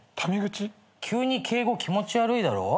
急に敬語気持ち悪いだろ？